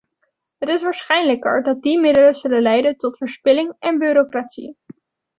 Het is waarschijnlijker dat die middelen zullen leiden tot verspilling en bureaucratie.